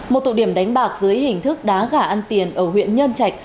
một tụ điểm đánh bạc dưới hình thức đá gả ăn tiền ở huyện nhân trạch